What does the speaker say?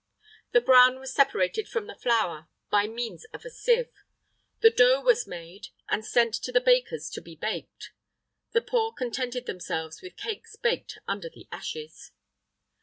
The bran was separated from the flour by means of a sieve; the dough was made, and sent to the bakers to be baked. The poor contented themselves with cakes baked under the ashes.